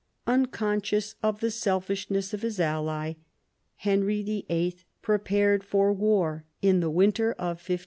Unconscious of the selfishness of his ally, Henry VHI. prepared for war in the winter of 1512.